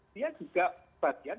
dia juga bagian